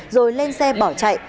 rồi lên xe bỏ chạy